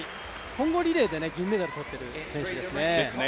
混合リレーで銀メダルを取っている選手ですね。